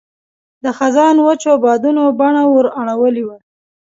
د خزان وچو بادونو بڼه ور اړولې وه.